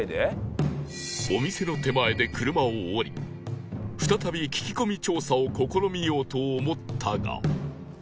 お店の手前で車を降り再び聞き込み調査を試みようと思ったが